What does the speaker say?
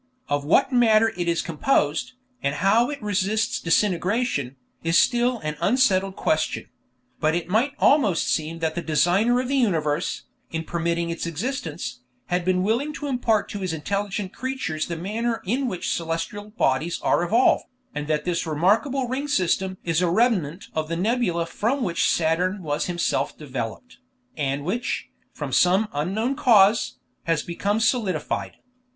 Of what matter it is composed, and how it resists disintegration, is still an unsettled question; but it might almost seem that the Designer of the universe, in permitting its existence, had been willing to impart to His intelligent creatures the manner in which celestial bodies are evolved, and that this remarkable ring system is a remnant of the nebula from which Saturn was himself developed, and which, from some unknown cause, has become solidified.